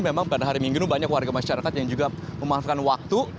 memang pada hari minggu ini banyak warga masyarakat yang juga memaafkan waktu